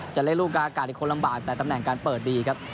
จะเล่นลูกกลางอากาศอีกคนลำบากแต่ตำแหน่งการเปิดดีครับ